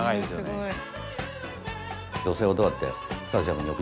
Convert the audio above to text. すごい。